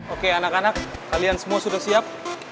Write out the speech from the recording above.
oke anak anak kalian semua sudah siap